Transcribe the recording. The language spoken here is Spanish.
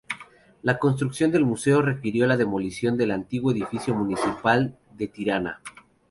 La construcción del museo requirió la demolición del antiguo edificio municipal de Tirana.